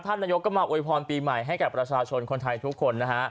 นายกก็มาอวยพรปีใหม่ให้กับประชาชนคนไทยทุกคนนะฮะ